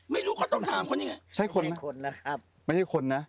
ไม่รู้เขาต้องถามคนนี้ไงใช่คนนะไม่ใช่คนนะครับไม่ใช่คนนะ